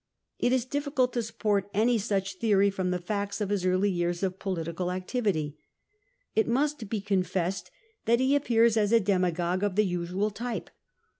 It is difficult to support any such theory from the facts of his early years of political activity It must be confessed that he appears as a demagogue of the usual type.